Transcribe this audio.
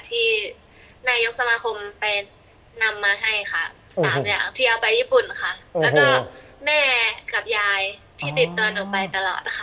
ที่นายกสมาคมไปนำมาให้ค่ะสามอย่างที่เอาไปญี่ปุ่นค่ะแล้วก็แม่กับยายที่ติดตัวหนูไปตลอดค่ะ